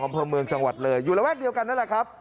อำเภอเมืองจังหวัดเลยอยู่ระแวกเดียวกันนั่นแหละครับ